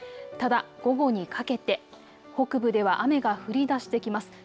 ただ、午後にかけて北部では雨が降りだしてきます。